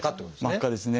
真っ赤ですね。